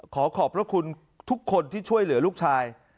ขอขอบพระคุณทุกคนที่ช่วยเหลือลูกชาย